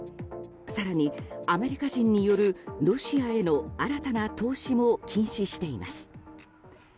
更に、アメリカ人によるロシアへの新たな投資も禁止しています。